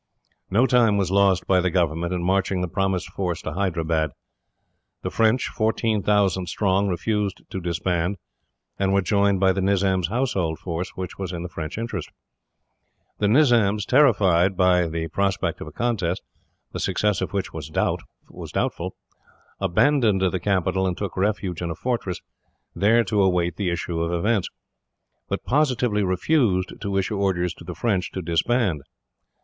No time was lost, by the government, in marching the promised force to Hyderabad. The French, 14,000 strong, refused to disband, and were joined by the Nizam's household force, which was in the French interest. The Nizam, terrified at the prospect of a contest, the success of which was doubtful, abandoned the capital and took refuge in a fortress, there to await the issue of events; but positively refused to issue orders to the French to disband.